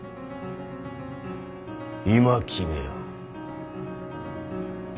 今決めよ。